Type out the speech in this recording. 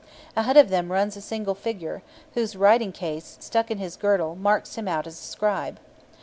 Ahead of them runs a single figure, whose writing case, stuck in his girdle, marks him out as a scribe.